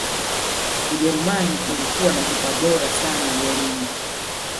ujerumani ilikuwa na kipa bora sana golini